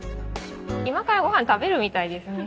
今からご飯食べるみたいですね